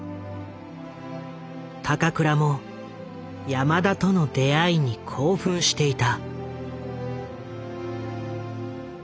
高倉も山田との出会いに興奮していた。